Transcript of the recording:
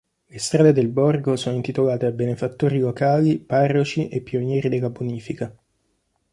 Le strade del borgo sono intitolate a benefattori locali, parroci e pionieri della bonifica.